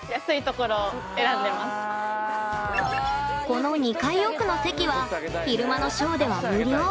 この２階奥の席は昼間のショーでは無料。